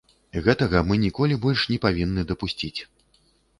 Гэтага мы ніколі больш не павінны дапусціць.